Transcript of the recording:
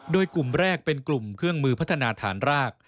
โดยกลุ่มแรกเป็นกลุ่มเครื่องมือพัฒนาฐานราก